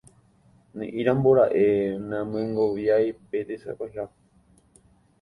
Ne'írambora'e namyengoviái pe tesapeha.